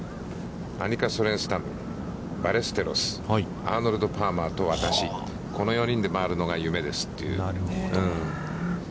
アニカ・ソレンスタム、バレステロスアーノルド・パーマーとこの４人で回るのが、夢ですという。